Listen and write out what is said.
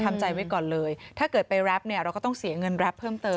ทำใจไว้ก่อนเลยถ้าเกิดไปแรปเนี่ยเราก็ต้องเสียเงินแรปเพิ่มเติม